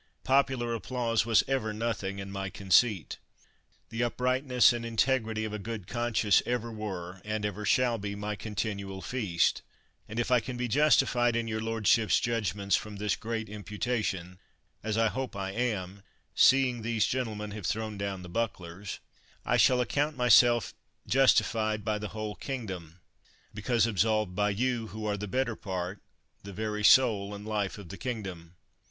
Popular applause was ever noth ing in my concei ;'. The uprightness and integ rity of a good conscience ever were, and ever shall be, my continual feast; and if I can be justified in your lordship's judgments from this great imputation — as I hope I am, seeing these gentlemen have thrown down the bucklers — I shall account myself justified by the whole king dom, because absolved by you, who are the better part, the very soul and life of the kingdom.